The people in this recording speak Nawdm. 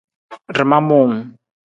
Rama muuwung.